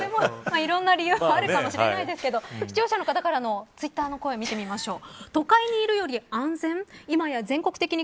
いろんな理由があるかもしれないですけど視聴者の方からのツイッターの声を見てみましょう。